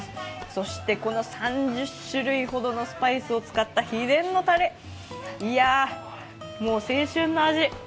そして、この３０種類ほどのスパイスを使った秘伝のたれいや、もう青春の味。